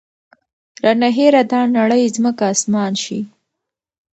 رانه هېره دا نړۍ ځمکه اسمان شي